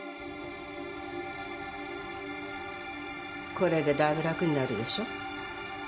これでだいぶ楽になるでしょ。